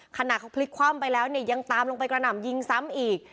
ขณะเขาพลิกคว่ำไปแล้วเนี่ยยังตามลงไปกระหน่ำยิงซ้ำอีก